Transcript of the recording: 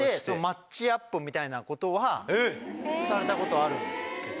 みたいなことはされたことあるんですけど。